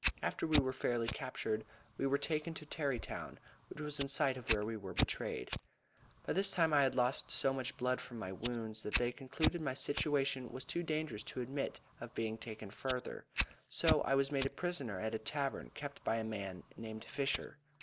After we were fairly captured, we were taken to Terrytown, which was in sight of where we were betrayed. By this time I had lost so much blood from my wounds, that they concluded my situation was too dangerous to admit of being taken further; so I was made a prisoner at a tavern, kept by a man named Fisher.